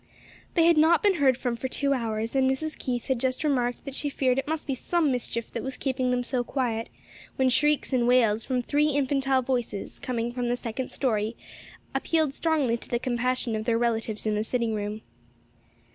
They had not been heard from for two hours and Mrs. Keith had just remarked that she feared it must be some mischief that was keeping them so quiet, when shrieks and wails from three infantile voices, coming from the second story, appealed strongly to the compassion of their relatives in the sitting room.